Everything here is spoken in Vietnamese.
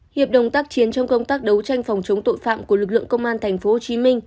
hiệp đồng tác chiến trong công tác đấu tranh phòng chống tội phạm của lực lượng công an tp hcm